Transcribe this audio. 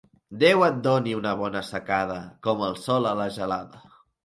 Déu et doni una bona assecada, com el sol a la gelada.